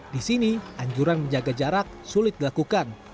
di sini anjuran menjaga jarak sulit dilakukan